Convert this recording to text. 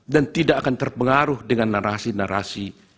dan tidak akan terpengaruh dengan narasi narasi